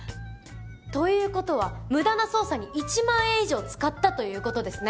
ということは無駄な捜査に１万円以上使ったということですね。